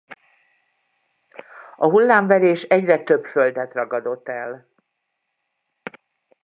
A hullámverés egyre több földet ragadott el.